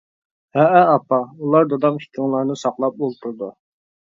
-ھەئە ئاپا، ئۇلار دادام ئىككىڭلارنى ساقلاپ ئولتۇرىدۇ.